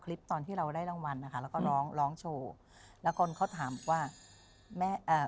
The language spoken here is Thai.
เราได้รางวัลนะคะแล้วก็ร้องร้องโชว์แล้วก็เขาถามว่าแม่เอ่อ